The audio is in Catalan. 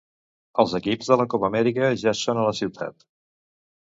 els equips de la copa Amèrica ja són a la ciutat